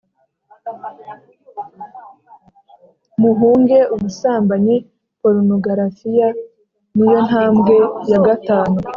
Muhunge ubusambanyi Porunogarafiya ni yo ntambwe ya gatanu